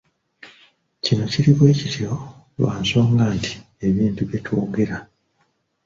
Kino kiri bwe kityo lwa nsonga nti ebintu bye twogera.